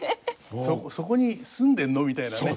「そこに住んでるの？」みたいなね。